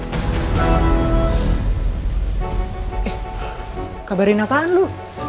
eh kabarin apaan lu